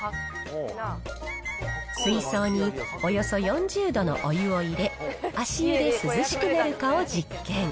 水槽におよそ４０度のお湯を入れ、足湯で涼しくなるかを実験。